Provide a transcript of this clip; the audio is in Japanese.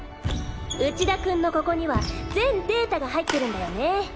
内田君のここには全データが入ってるんだよね。